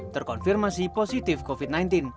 terkonfirmasi positif covid sembilan belas